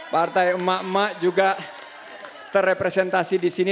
partai emak emak juga terrepresentasi disini